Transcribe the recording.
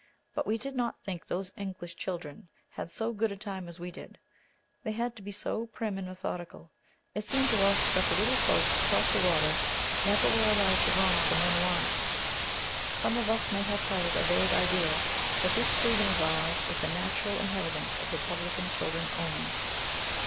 But we did not think those English children had so good a time as we did; they had to be so prim and methodical. It seemed to us that the little folks across the water never were allowed to romp and run wild; some of us may have held a vague idea that this freedom of ours was the natural inheritance of republican children only.